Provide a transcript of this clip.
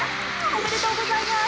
おめでとうございます。